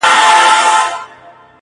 لا ایله وه رسېدلې تر بازاره؛